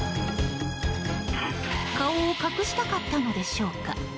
顔を隠したかったのでしょうか。